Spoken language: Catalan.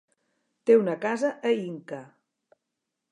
Té una casa a Inca.